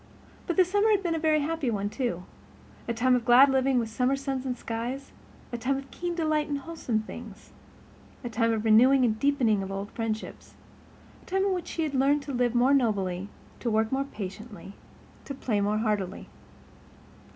But the summer had been a very happy one, too—a time of glad living with summer suns and skies, a time of keen delight in wholesome things; a time of renewing and deepening of old friendships; a time in which she had learned to live more nobly, to work more patiently, to play more heartily.